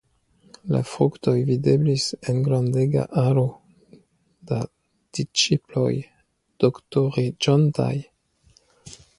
La fruktoj videblis en grandega aro da disĉiploj doktoriĝontaj.